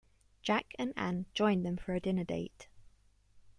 Jack and Anne join them for a dinner date.